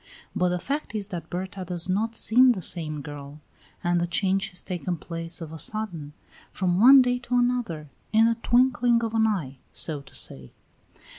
But the fact is that Berta does not seem the same girl. And the change has taken place of a sudden, from one day to another, in the twinkling of an eye, so to say.